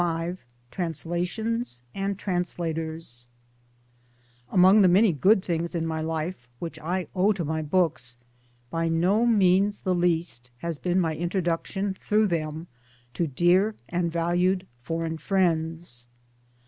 XV TRANSLATIONS AND TRANSLATORS AMONG the many good things in my life which I owe to my books by no means the least has been my introduction through them to dear and valued foreign friends.